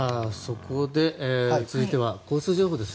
続いては交通情報です。